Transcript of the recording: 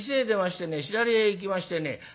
左へ行きましてね